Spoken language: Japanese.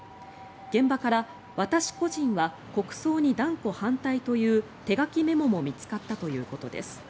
現場から私個人は国葬に断固反対という手書きメモも見つかったということです。